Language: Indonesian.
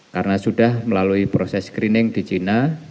karena sudah melalui proses screening di cina